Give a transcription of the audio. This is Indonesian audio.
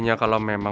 saya mau ke rumah